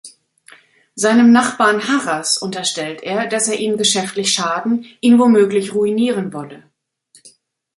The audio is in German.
Seinem Nachbarn Harras unterstellt er, dass er ihm geschäftlich schaden, ihn womöglich ruinieren wolle.